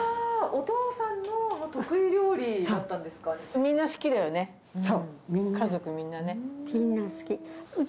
お父さんの得意料理だったんそう。